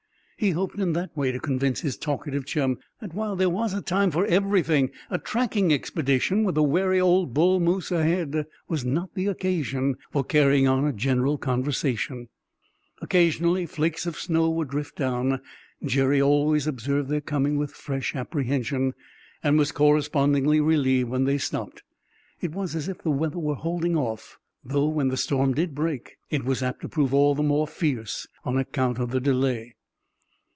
He hoped in that way to convince his talkative chum that while there was a time for everything, a tracking expedition, with a wary old bull moose ahead, was not the occasion for carrying on a general conversation. Occasionally flakes of snow would drift down. Jerry always observed their coming with fresh apprehension, and was correspondingly relieved when they stopped. It was as if the weather were holding off, though when the storm did break it was apt to prove all the more fierce on account of the delay.